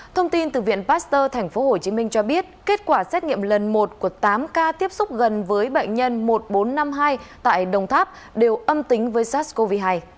thông tin từ viện pasteur tp hcm cho biết kết quả xét nghiệm lần một của tám ca tiếp xúc gần với bệnh nhân một nghìn bốn trăm năm mươi hai tại đồng tháp đều âm tính với sars cov hai